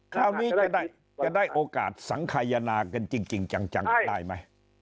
คราวนี้จะได้โอกาสสังขยนากันจริงจังได้ไหม